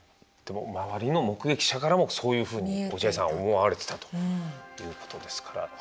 でも周りの目撃者からもそういうふうに落合さんは思われてたということですから。